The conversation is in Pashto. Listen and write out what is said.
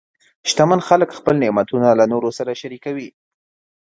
شتمن خلک خپل نعمتونه له نورو سره شریکوي.